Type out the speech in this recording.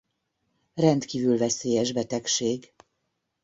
Rendkívül veszélyes betegség.